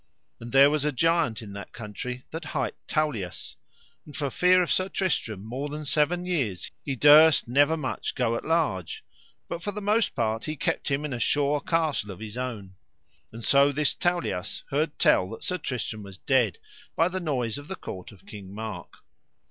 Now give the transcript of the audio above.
And there was a giant in that country that hight Tauleas, and for fear of Sir Tristram more than seven year he durst never much go at large, but for the most part he kept him in a sure castle of his own; and so this Tauleas heard tell that Sir Tristram was dead, by the noise of the court of King Mark.